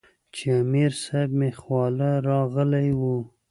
چې امير صېب مې خواله راغلے وۀ -